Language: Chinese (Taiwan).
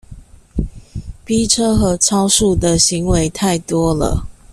逼車和超速的行為太多了